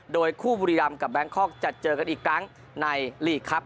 โดยคู่บุรีรำกับแบงคอกจะเจอกันอีกครั้งในลีกครับ